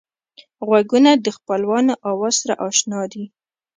غوږونه د خپلوانو آواز سره اشنا دي